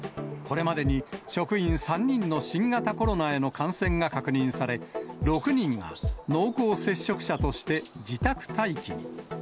これまでに職員３人の新型コロナへの感染が確認され、６人が濃厚接触者として自宅待機に。